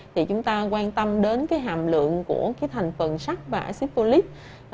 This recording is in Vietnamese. thì chúng ta quan tâm đến hàm lượng của thành phần sắc và axit folic